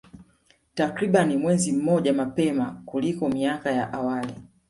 Takriban mwezi mmoja mapema kuliko miaka ya awali